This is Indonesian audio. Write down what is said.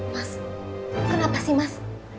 mas kenapa sih mas